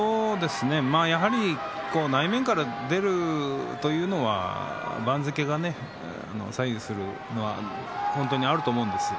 やはり内面から出るというのは番付が左右するのは本当にあると思うんですね。